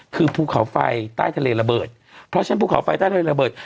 คือภูเขาไฟใต้ทะเลระเบิดเพราะฉะนั้นภูเขาไฟใต้ทะเลระเบิด